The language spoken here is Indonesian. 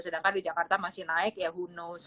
sedangkan di jakarta masih naik ya who knows